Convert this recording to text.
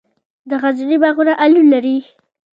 د غزني باغونه الو لري.